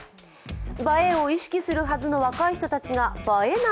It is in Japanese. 映えを意識するはずの若い人たちが映えない？